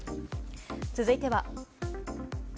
続いては。